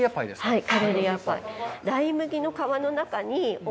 はい。